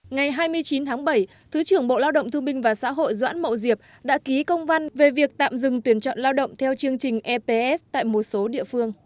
ngày hai mươi chín tháng bảy thứ trưởng bộ lao động thương minh và xã hội doãn mậu diệp đã ký công văn về việc tạm dừng tuyển chọn lao động theo chương trình eps tại một số địa phương